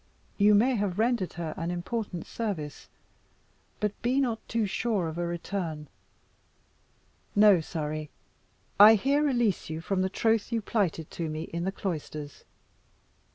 "You may have rendered her an important service, but be not too sure of a return. No, Surrey, I here release you from the troth you plighted to me in the cloisters."